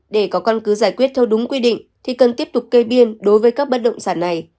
để có căn cứ giải quyết theo đúng quy định thì cần tiếp tục kê biên đối với các bất động sản này